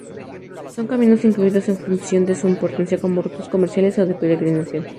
Son caminos incluidos en función de su importancia como rutas comerciales o de peregrinación.